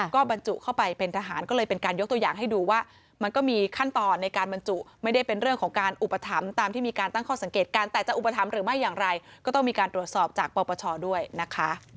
ก็บรรจุเข้าไปเป็นทหารก็เลยเป็นการยกตัวอย่างให้ดูว่ามันก็มีขั้นตอนในการบรรจุไม่ได้เป็นเรื่องของการอุปถัมภ์ตามที่มีการตั้งข้อสังเกตกันแต่จะอุปถัมภ์หรือไม่อย่างไรก็ต้องมีการตรวจสอบจากปปชด้วยนะคะ